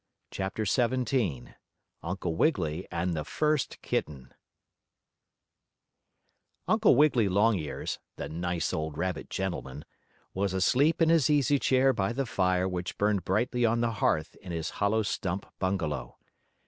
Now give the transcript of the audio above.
CHAPTER XVII UNCLE WIGGILY AND THE FIRST KITTEN Uncle Wiggily Longears, the nice old rabbit gentleman, was asleep in his easy chair by the fire which burned brightly on the hearth in his hollow stump bungalow.